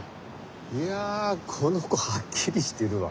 いやぁこの子はっきりしてるわ。